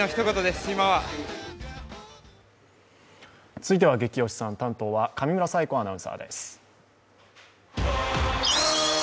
続いては「ゲキ推しさん」担当は上村彩子アナウンサーです。